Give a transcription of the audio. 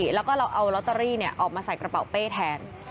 แล้วก็เราเอาลอตเตอรี่ออกมาใส่กระเป๋าเป้แทน